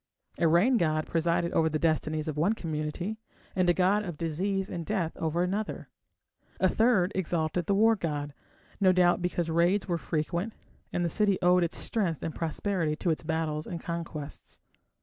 A rain god presided over the destinies of one community, and a god of disease and death over another; a third exalted the war god, no doubt because raids were frequent and the city owed its strength and prosperity to its battles and conquests.